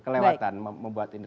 kelewatan membuat ini